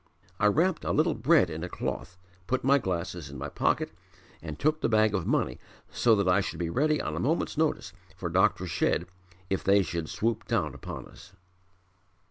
I wrapped a little bread in a cloth, put my glasses in my pocket, and took the bag of money so that I should be ready on a moment's notice for Dr. Shedd if they should swoop down upon us."